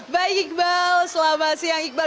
baik iqbal selamat siang iqbal